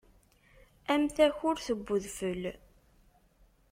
Am takurt n udfel.